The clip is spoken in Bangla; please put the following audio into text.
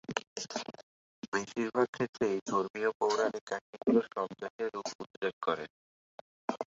বেশির ভাগ ক্ষেত্রেই ধর্মীয় পৌরাণিক কাহিনি গুলো সন্দেহের উদ্রেক করে।